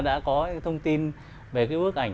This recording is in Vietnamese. rất cảm ơn anh đã có thông tin về cái bức ảnh